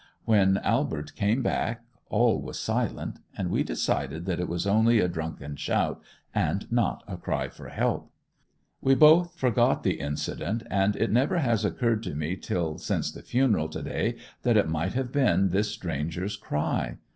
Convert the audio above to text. When Albert came back all was silent, and we decided that it was only a drunken shout, and not a cry for help. We both forgot the incident, and it never has occurred to me till since the funeral to day that it might have been this stranger's cry.